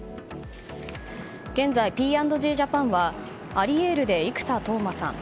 現在、Ｐ＆Ｇジャパンはアリエールで生田斗真さん